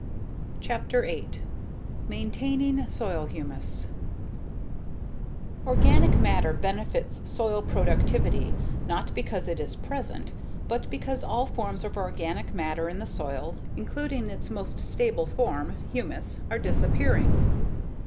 CHAPTER EIGHT Maintaining Soil Humus Organic matter benefits soil productivity not because it is present, but because all forms of organic matter in the soil, including its most stable form humus are disappearing.